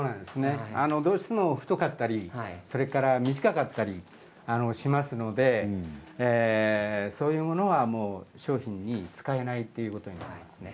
どうしても太かったりそれから短かったりしますのでそういうものはもう商品に使えないということになりますね。